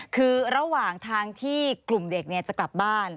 คือระหว่างทางที่กลุ่มเด็กจะกลับบ้าน